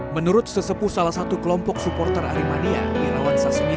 menurut sesepu salah satu kelompok supporter aremania